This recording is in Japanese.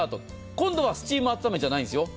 今度はスチーム温めじゃないんです。